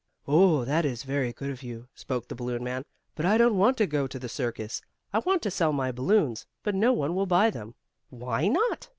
"Oh, that is very good of you," spoke the balloon man, "but I don't want to go to the circus. I want to sell my balloons, but no one will buy them." "Why not?"